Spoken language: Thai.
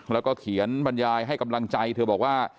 แล้วก็เขียนบรรยายให้กำลังใจเธอบอกว่า